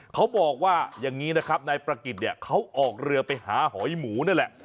เขาบอกว่าอย่างนี้นะครับนายประกิจเนี่ยเขาออกเรือไปหาหอยหมูนั่นแหละ